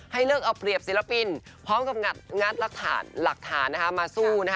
ให้เลิกเอาเปรียบศิลปินพร้อมกับงัดหลักฐานมาสู้